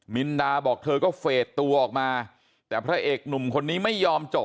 มินดาบอกเธอก็เฟสตัวออกมาแต่พระเอกหนุ่มคนนี้ไม่ยอมจบ